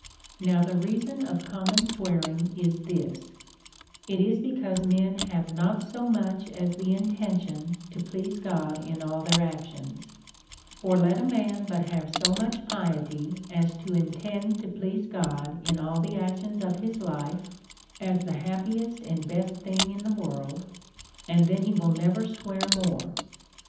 Now, the reason of common sweariu" is this : it is 1 1 'because men have not so much as the intention to please God in all their actions ; for let a man but have so much piety as to intend to please God in all the actions of his life, as the happiest and best thing in the world, and then he will never swear more.